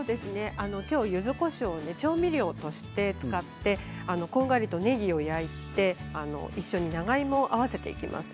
今日はゆずこしょう調味料として使ってこんがりとねぎを焼いて一緒に長芋を合わせていきます。